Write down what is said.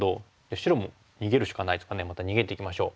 白も逃げるしかないですかねまた逃げていきましょう。